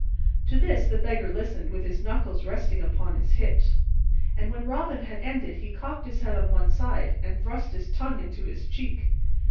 To this the Beggar listened with his knuckles resting against his hips, and when Robin had ended he cocked his head on one side and thrust his tongue into his cheek.